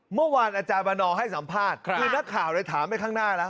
เมื่อวานอาจารย์วันนอให้สัมภาษณ์คือนักข่าวเลยถามไปข้างหน้าแล้ว